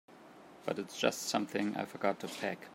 But it's just something I forgot to pack.